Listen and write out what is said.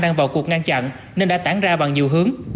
đang vào cuộc ngăn chặn nên đã tản ra bằng nhiều hướng